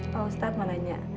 pak ustadz mau nanya